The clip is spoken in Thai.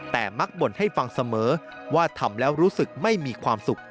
แต่มักบ่นให้ฟังเสมอว่าทำแล้วรู้สึกไม่มีความสุข